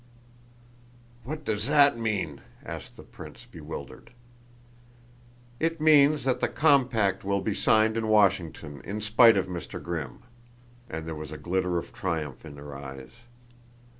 "What does that mean?" asked the prince, bewildered. "It means that the compact will be signed in Washington in spite of Mr. Grimm," and there was the glitter of triumph in her eyes.